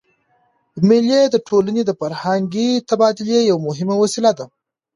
مېلې د ټولني د فرهنګي تبادلې یوه مهمه وسیله ده.